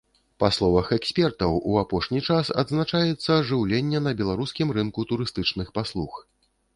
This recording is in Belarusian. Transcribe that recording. Па словах экспертаў, у апошні час адзначаецца ажыўленне на беларускім рынку турыстычных паслуг.